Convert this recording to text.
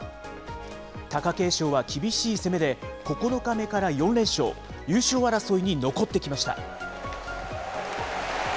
貴景勝は厳しい攻めで、９日目から４連勝、優勝争いに残ってきました。